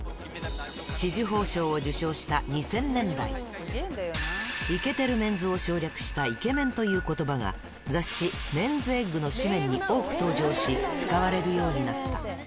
紫綬褒章を受章した２０００年代、イケてるメンズを省略したイケメンということばが、雑誌、メンズエッグの誌面に多く登場し、使われるようになった。